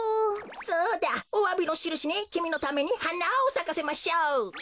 そうだおわびのしるしにきみのためにはなをさかせましょう。